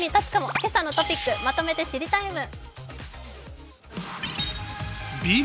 「けさのトピックまとめて知りＴＩＭＥ，」。